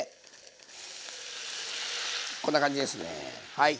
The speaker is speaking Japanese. こんな感じですねはい。